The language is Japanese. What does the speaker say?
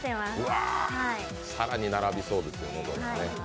更に並びそうですよね。